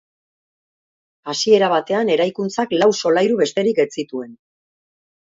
Hasiera batean eraikuntzak lau solairu besterik ez zituen.